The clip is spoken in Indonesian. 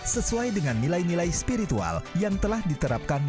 sesuai dengan nilai nilai spiritual yang telah diterapkan